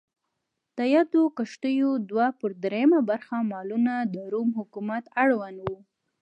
د یادو کښتیو دوه پر درېیمه برخه مالونه د روم حکومت اړوند و.